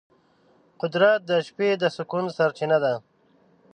قدرت د شپې د سکون سرچینه ده.